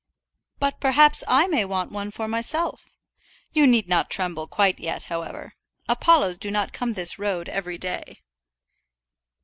"But perhaps I may want one for myself. You need not tremble quite yet, however. Apollos do not come this road every day."